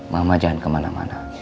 mama jangan kemana mana